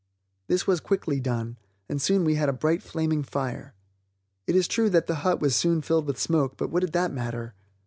This was quickly done, and soon we had a bright flaming fire. It is true that the hut was soon filled with smoke, but what did that matter?